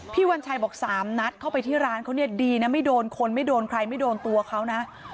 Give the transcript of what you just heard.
วัญชัยบอก๓นัดเข้าไปที่ร้านเขาเนี่ยดีนะไม่โดนคนไม่โดนใครไม่โดนตัวเขานะ